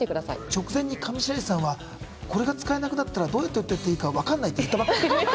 直前に上白石さんはこれが使えなくなったらどうやって歌っていいか分かんないって言ったばっかり。